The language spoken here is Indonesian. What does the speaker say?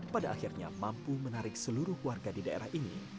pada akhirnya mampu menarik seluruh warga di daerah ini